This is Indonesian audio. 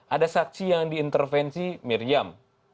ada saksi yang diintervensi miriam